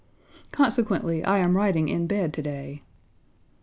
Consequently, I am writing in bed to day.